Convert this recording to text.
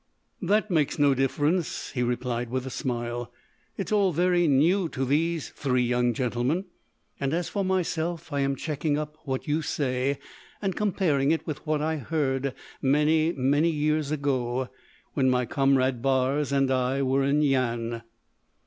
"That makes no difference," he replied with a smile. "It is all very new to these three young gentlemen. And as for myself, I am checking up what you say and comparing it with what I heard many, many years ago when my comrade Barres and I were in Yian."